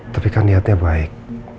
tapi kan niatnya baik